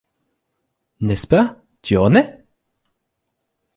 N’est-ce pas, tu en es ?